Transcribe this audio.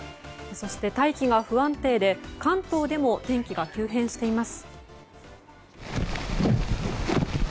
そして大気が不安定で関東でも天気が急変しています。